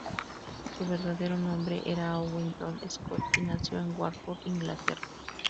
Su verdadero nombre era Owen John Scott, y nació en Watford, Inglaterra.